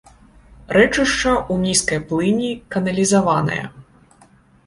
Рэчышча ў нізкай плыні каналізаванае.